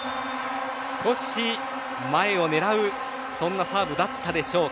少し前を狙う、そんなサーブだったでしょうか。